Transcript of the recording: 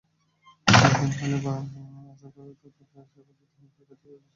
শেষ দিন মেলায় আসা করদাতাদের সেবা দিতে হিমশিম খাচ্ছেন রাজস্ব কর্মকর্তারা।